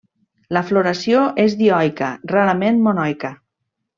La floració és dioica, rarament monoica.